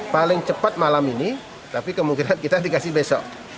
paling cepat malam ini tapi kemungkinan kita dikasih besok